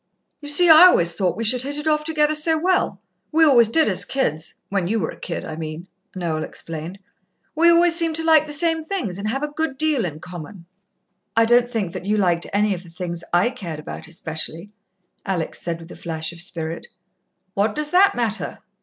"You see, I always thought we should hit it off together so well. We always did as kids when you were a kid, I mean," Noel explained. "We always seemed to like the same things, and have a good deal in common." "I don't think that you liked any of the things I cared about especially," Alex said, with a flash of spirit. "What does that matter?"